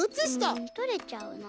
うんとれちゃうな。